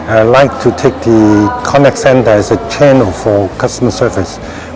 ingin mengambil kontak center sebagai channel untuk perusahaan pelanggan